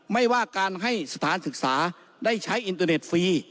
ไม่ว่าการให้สถานศึกษาได้ใช้อินเตอร์เน็ตฟรี